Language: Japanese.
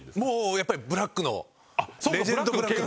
やっぱりブラックの。